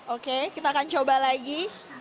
oke kita akan coba lagi